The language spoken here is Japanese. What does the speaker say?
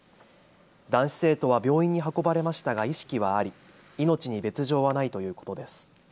男子生徒は病院に運ばれましたが意識はあり命に別状はないということです。